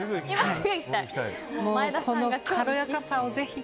この軽やかさをぜひ。